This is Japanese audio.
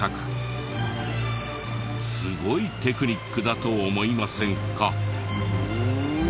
すごいテクニックだと思いませんか？